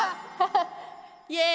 イエイ！